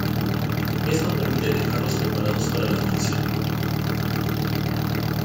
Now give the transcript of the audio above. Esto permite dejarlos preparados para la tinción.